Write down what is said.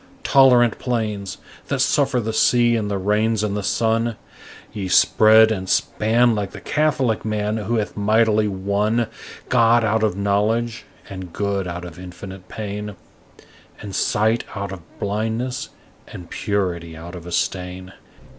Tolerant plains, that suffer the sea and the rains and the sun, Ye spread and span like the catholic man who hath mightily won God out of knowledge and good out of infinite pain And sight out of blindness and purity out of a stain.